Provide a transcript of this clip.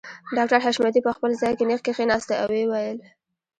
ډاکټر حشمتي په خپل ځای کې نېغ کښېناسته او ويې ويل